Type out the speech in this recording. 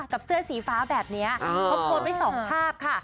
กับเสื้อสีฟ้าแบบนี้เขาโพรตไปส่องภาพค่ะ